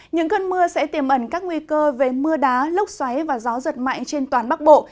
những cơn mưa sẽ tiềm ẩn các nguy cơ về mưa đá lốc xoáy và gió giật mạnh trên toàn bắc bộ